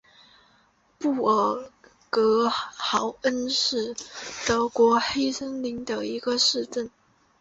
布尔格豪恩是德国黑森州的一个市镇。